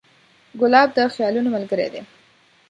ګلاب د خیالونو ملګری دی.